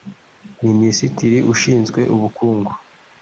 Minisitiri ushinzwe Ubukungu